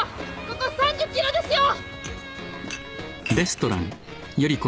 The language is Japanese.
ここ３０キロですよ！